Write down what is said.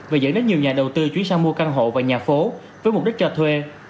và dẫn đến nhiều nhà đầu tư chuyển sang mua căn hộ và nhà phố với mục đích cho thuê